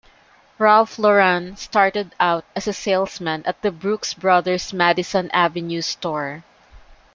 Ralph Lauren started out as a salesman at the Brooks Brothers Madison Avenue store.